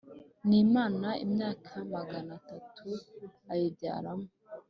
n Imana imyaka magana atatu ayibyaramo